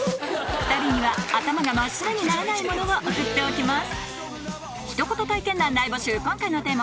２人には頭が真っ白にならないものを送っておきます